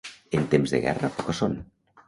En temps de guerra, poca son.